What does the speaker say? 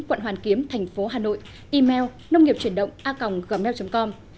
quận hoàn kiếm tp hà nội email nông nghiệpchuyểnđộnga gmail com